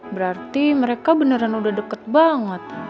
berarti mereka beneran udah deket banget